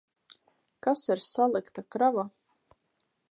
Kas ir salikta krava?